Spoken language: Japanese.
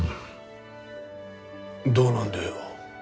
どうなんだよ。